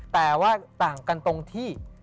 แต่ว่าต่างกันตรงที่